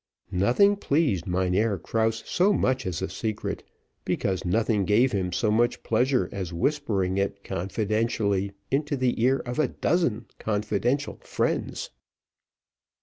Nothing pleased Mynheer Krause so much as a secret, because nothing gave him so much pleasure as whispering it confidentially into the ear of a dozen confidential friends.